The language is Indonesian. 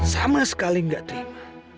sama sekali gak terima